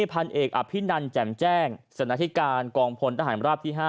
พันเอกอภินันแจ่มแจ้งสนาธิการกองพลทหารราบที่๕